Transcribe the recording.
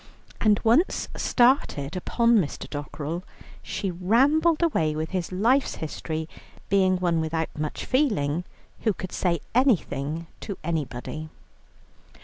And once started upon Mr. Dockerell, she rambled away with his life's history, being one without much feeling, who could say everything to anybody.